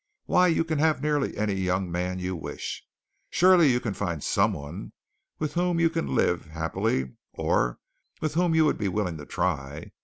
Why, you can have nearly any young man you wish. Surely you can find someone with whom you can live happily or with whom you would be willing to try.